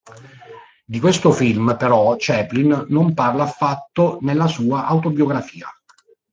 Di questo film, però, Chaplin, non parla affatto nella sua autobiografia.